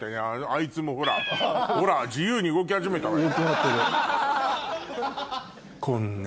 あいつもほらほら自由に動き始めたわよ。